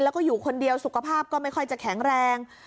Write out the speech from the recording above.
แล้วก็อยู่คนเดียวสุขภาพก็ไม่ค่อยจะแข็งแรง